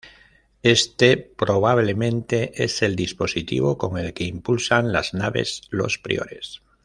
Éste probablemente es el dispositivo con el que impulsan las naves los Priores.